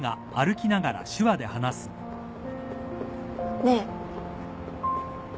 ねえ。